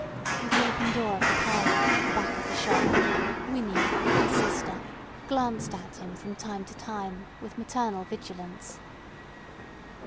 Through the open door of the parlour at the back of the shop Winnie, his sister, glanced at him from time to time with maternal vigilance.